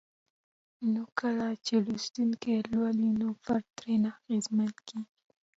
نو کله چې لوستونکي لولي نو فرد ترې اغېزمن کيږي